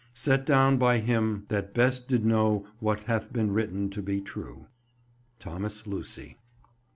Set down by him that best did know what hath been written to be true. THOMAS LUCY.